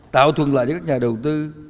tạo thuận lại cho các nhà đầu tư